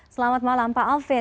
selamat malam pak alvin